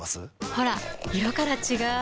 ほら色から違う！